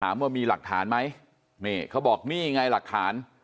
ว่ามีหลักฐานไหมนี่เขาบอกนี่ไงหลักฐาน